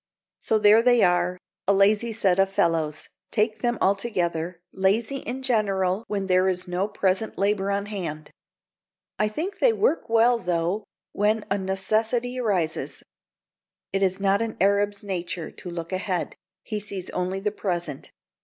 So there they are a lazy set of fellows, take them all together; lazy in general when there is no present labor on hand. I think they work well, though, when a necessity arises. It is not an Arab's nature to look ahead; he sees only the present.